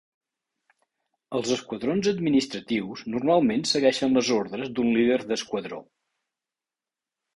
Els esquadrons administratius normalment segueixen les ordres d'un líder d'esquadró.